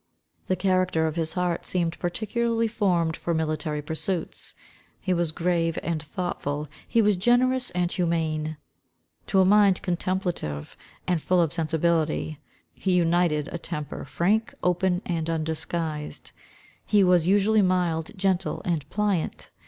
The character of his heart seemed particularly formed for military pursuits. He was grave and thoughtful, he was generous and humane. To a mind contemplative and full of sensibility, he united a temper, frank, open, and undisguised. He was usually mild, gentle and pliant.